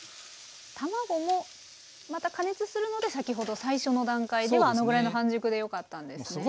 卵もまた加熱するので先ほど最初の段階ではあのぐらいの半熟でよかったんですね。